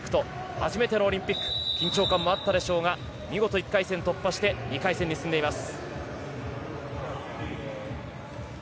初めてのオリンピック緊張感もあったでしょうが見事１回戦突破して２回戦に進んでいます。